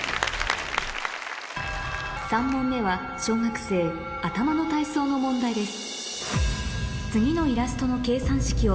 ３問目は小学生頭の体操の問題です